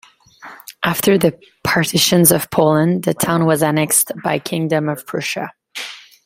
After the Partitions of Poland, the town was annexed by the Kingdom of Prussia.